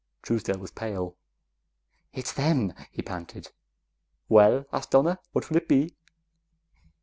Truesdale's was pale. "It's them!" he panted. "Well," asked Donna, "what will it be?"